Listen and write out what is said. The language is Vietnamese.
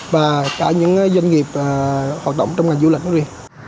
và cả những doanh nghiệp hoạt động trong ngành du lịch nói riêng